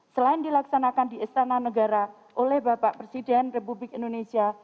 selain dilaksanakan di istana negara oleh bapak presiden republik indonesia